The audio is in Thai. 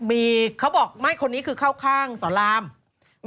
มีเขาบอกไม่คนนี้คือเครื่องข้างตำราง